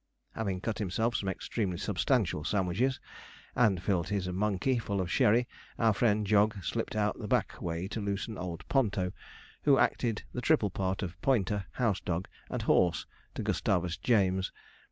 Having cut himself some extremely substantial sandwiches, and filled his 'monkey' full of sherry, our friend Jog slipped out the back way to loosen old Ponto, who acted the triple part of pointer, house dog, and horse to Gustavus James.